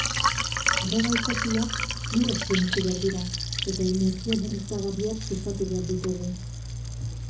Erregai fosilak lur azpian utzi behar dira eta energia berriztagarriak sustatu behar ditugu.